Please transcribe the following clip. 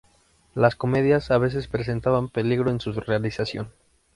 Las comedias a veces presentaban peligro en su realización.